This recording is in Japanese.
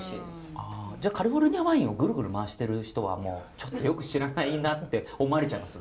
あじゃあカリフォルニアワインをぐるぐる回してる人はもうちょっとよく知らないなって思われちゃいます？